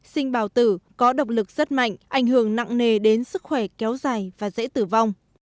sinh bào tử có độc lực rất mạnh ảnh hưởng nặng nề đến sức khỏe kéo dài và dễ tử vong